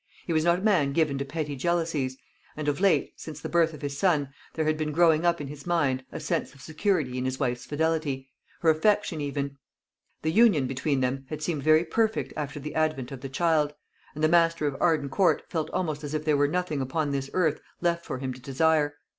He was not a man given to petty jealousies; and of late, since the birth of his son, there had been growing up in his mind a sense of security in his wife's fidelity her affection even. The union between them had seemed very perfect after the advent of the child; and the master of Arden Court felt almost as if there were nothing upon this earth left for him to desire.